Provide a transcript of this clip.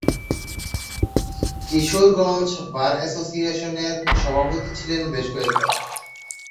Kishoreganj bar অ্যাসোসিয়েশনের সভাপতি ছিলেন বেশ কয়েকবার।